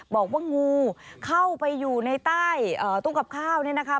บอกว่างูเข้าไปอยู่ในใต้ตู้กับข้าวเนี่ยนะคะ